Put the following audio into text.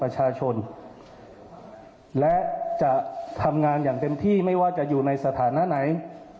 ประชาชนและจะทำงานอย่างเต็มที่ไม่ว่าจะอยู่ในสถานะไหน